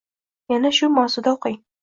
Yana shu mavzuda o‘qing: